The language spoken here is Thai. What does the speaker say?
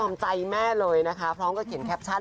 และอร่อยเค้าบอก